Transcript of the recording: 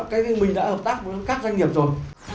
cái mình đã hợp tác với các doanh nghiệp rồi